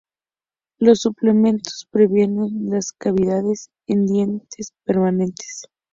Los suplementos previenen las cavidades en dientes permanentes.